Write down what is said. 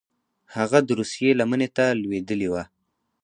هغه د روسیې لمنې ته لوېدلي وه.